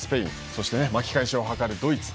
そして巻き返しを図るドイツ。